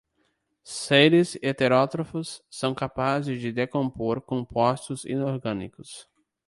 Seres heterótrofos são capazes de decompor compostos inorgânicos